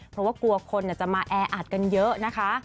เพราะว่ากลัวคนจะมาแออัดกันเยอะนะคะ